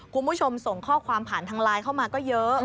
คุณผู้ชมส่งข้อความผ่านทางไลน์เข้ามาก็เยอะ